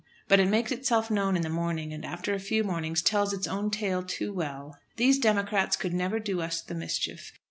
But it makes itself known in the morning, and after a few mornings tells its own tale too well. These "democrats" could never do us the mischief.